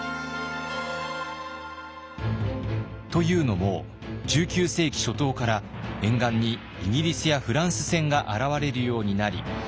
というのも１９世紀初頭から沿岸にイギリスやフランス船が現れるようになり。